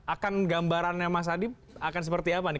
akan gambarannya mas adi akan seperti apa nih